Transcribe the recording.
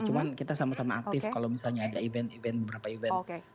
cuma kita sama sama aktif kalau misalnya ada event event beberapa event